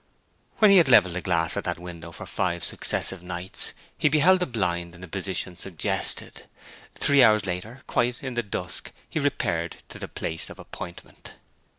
When he had levelled the glass at that window for five successive nights he beheld the blind in the position suggested. Three hours later, quite in the dusk, he repaired to the place of appointment.